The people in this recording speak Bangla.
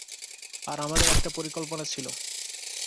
আর আমাদের একটা পরিকল্পনা ছিল।